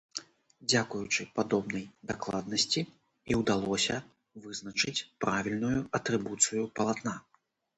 Дзякуючы падобнай дакладнасці і ўдалося вызначыць правільную атрыбуцыю палатна.